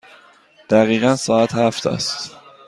دقیقاً ساعت هفت است.